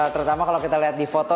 terutama kalau kita lihat di foto